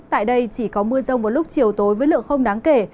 tại đây chỉ có mưa rông vào lúc chiều tối với lượng không đáng kể